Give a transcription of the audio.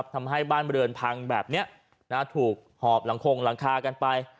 ทำให้บ้านเรือนพังแบบนี้ถูกหอบหลังคงหลังคากันไป